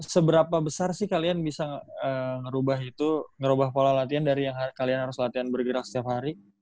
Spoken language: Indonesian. seberapa besar sih kalian bisa ngerubah itu ngerubah pola latihan dari yang kalian harus latihan bergerak setiap hari